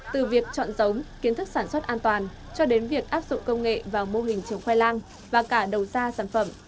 từ việc chọn giống kiến thức sản xuất an toàn cho đến việc áp dụng công nghệ vào mô hình trồng khoai lang và cả đầu ra sản phẩm